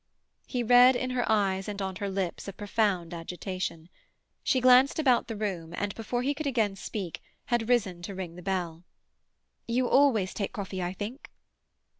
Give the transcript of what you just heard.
He read in her eyes and on her lips a profound agitation. She glanced about the room, and, before he could again speak, had risen to ring the bell. "You always take coffee, I think?"